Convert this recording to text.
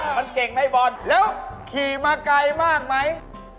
มันเก่งไหมบอลแล้วขี่มาไกลมากไหม